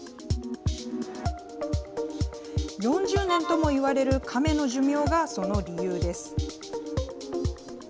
４０年ともいわれるカメの寿命がその理由です。